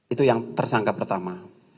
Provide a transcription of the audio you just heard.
itu yang tersangka pertama